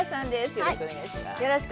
よろしくお願いします。